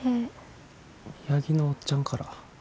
八木のおっちゃんから。